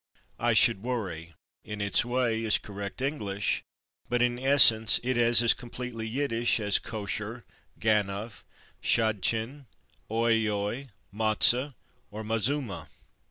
/I should worry/, in its way, is correct English, but in essence it is as completely Yiddish as /kosher/, /ganof/, /schadchen/, /oi yoi/, /matzoh/ or /mazuma